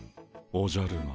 おじゃる丸！